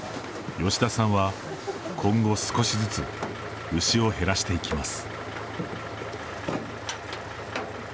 吉田さんは今後少しずつ牛を減らしていきます。